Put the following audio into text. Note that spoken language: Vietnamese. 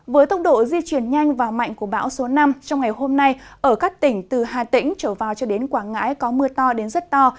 với tốc độ di chuyển nhanh và mạnh của bão số năm trong ngày hôm nay ở các tỉnh từ hà tĩnh trở vào cho đến quảng ngãi có mưa to đến rất to